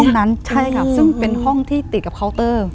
นั้นใช่ค่ะซึ่งเป็นห้องที่ติดกับเคาน์เตอร์